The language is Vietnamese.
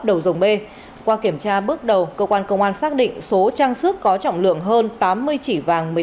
đầu dòng b qua kiểm tra bước đầu cơ quan công an xác định số trang sức có trọng lượng hơn tám mươi chỉ vàng